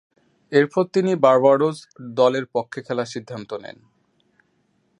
এরপর তিনি বার্বাডোস দলের পক্ষে খেলার সিদ্ধান্ত নেন।